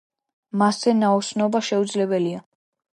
მასზე ნაოსნობა შეუძლებელია.